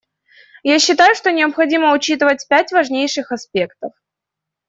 Я считаю, что необходимо учитывать пять важнейших аспектов.